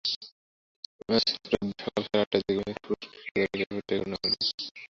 আজ রোববার সকাল সাড়ে আটটার দিকে মেহেরপুর সদরের ক্যাসবপাড়ায় এই ঘটনা ঘটে।